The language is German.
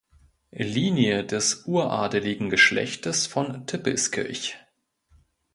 Linie des Uradeligen Geschlechtes von Tippelskirch.